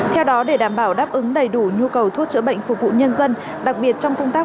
theo đó để đảm bảo đáp ứng đầy đủ nhu cầu thuốc chữa bệnh phục vụ nhân dân đặc biệt trong công tác